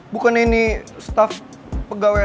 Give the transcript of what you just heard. bukannya ini staf pegawai restoran